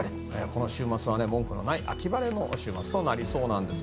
この週末は文句のない秋晴れの週末となりそうです。